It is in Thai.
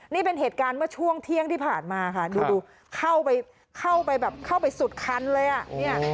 นี่เป็นเหตุการณ์เมื่อช่วงเที่ยงที่ผ่านมาค่ะดูเข้าไปสุดคันเลยอ่ะ